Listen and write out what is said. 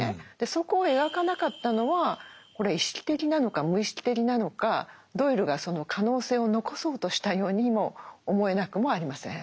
そこを描かなかったのはこれは意識的なのか無意識的なのかドイルがその可能性を残そうとしたようにも思えなくもありません。